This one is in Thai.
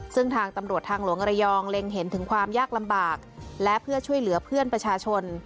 ซึ่งทางตำรวจทางหลวงระยองเล็งเห็นถึงความยากลำบากและเพื่อช่วยเหลือเพื่อนประชาชน